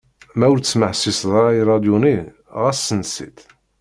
Ma ur tesmeḥsiseḍ ara i rradyu-nni, ɣas ssens-itt.